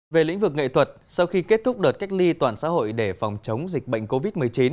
về lĩnh vực nghệ thuật sau khi kết thúc đợt cách ly toàn xã hội để phòng chống dịch bệnh covid một mươi chín